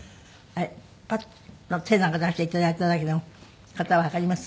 あれパッと手なんか出して頂いただけでも形わかります？